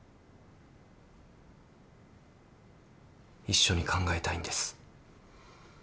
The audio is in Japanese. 一緒に考えたいんです。